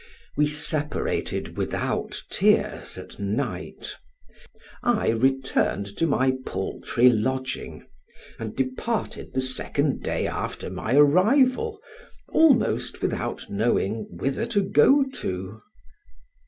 We separated without tears at night; I returned to my paltry lodging, and departed the second day after my arrival, almost without knowing whither to go to.